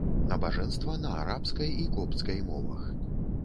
Набажэнства на арабскай і копцкай мовах.